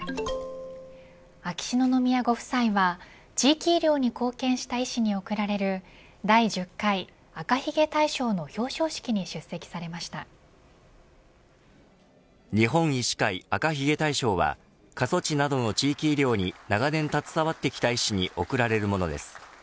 秋篠宮ご夫妻は地域医療に貢献した医師に贈られる第１０回赤ひげ大賞の表彰式に日本医師会、赤ひげ大賞は過疎地などの地域医療に長年携わってきた医師に贈られるものです。